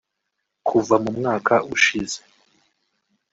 Kuva mu mwaka ushize